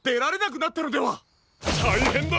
たいへんだ！